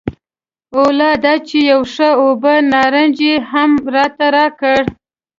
او لا دا چې یو ښه اوبه نارنج یې هم راته راکړ.